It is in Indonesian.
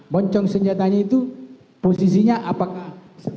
moncong senjatanya itu posisinya apakah